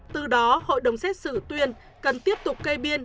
từ đó hội đồng xét xử tuyên cần tiếp tục cây biên